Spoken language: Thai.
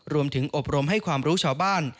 อบรมให้ความรู้ชาวบ้าน